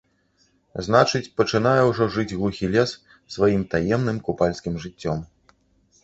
Значыць, пачынае ўжо жыць глухі лес сваім таемным купальскім жыццём.